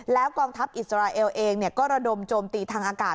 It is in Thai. แล้วกองทัพอิสราเอลเองก็ระดมโจมตีทางอากาศ